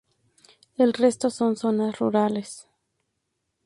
El resto son zonas rurales.